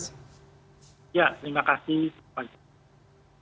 ya terima kasih pak hans